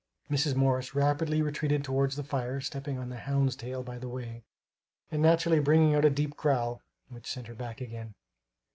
Mrs. Morris rapidly retreated towards the fire, stepping on the hound's tail by the way, and naturally bringing out a deep growl which sent her back again.